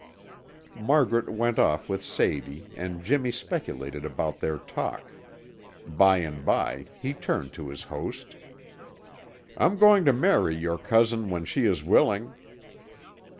Margaret went off with Sadie and Jimmy speculated about their talk. By and by he turned to his host. "I'm going to marry your cousin when she is willing."